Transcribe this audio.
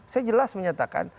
saya jelas menyatakan